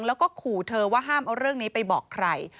แล้วก็ขู่เธอว่าห้ามเอาเรื่องนี้ไปบอกใคร